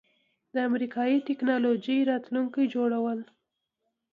د امریکایی ټیکنالوژۍ راتلونکی جوړول